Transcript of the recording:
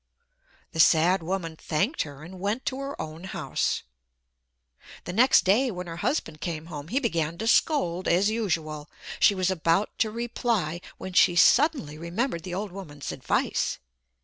The sad woman thanked her and went to her own house. The next day when her husband came home he began to scold as usual. She was about to reply when she suddenly remembered the old woman's advice.